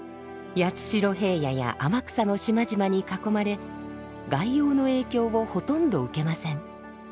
八代平野や天草の島々に囲まれ外洋の影響をほとんど受けません。